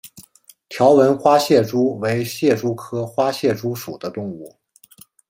条纹花蟹蛛为蟹蛛科花蟹蛛属的动物。